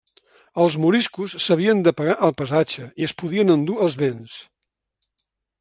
Els moriscos s'havien de pagar el passatge i es podien endur els béns.